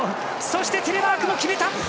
そしてテレマークも決めた！